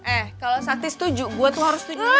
eh kalau sakti setuju gue tuh harus setuju